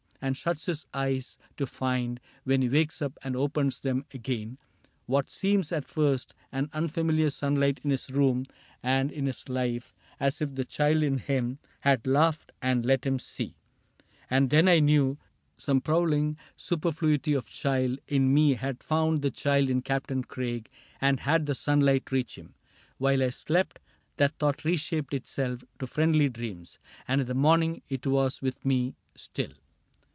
And shuts his eyes to find, when he wakes up And opens them again, what seems at first An unfamiliar sunlight in his room And in his life — as if the child in him Had laughed and let him see ; and then I knew Some prowling superfluity of child In me had found the child in Captain Craig And had the sunlight reach him. While I slept. That thought reshaped itself to friendly dreams, And in the morning it was with me still.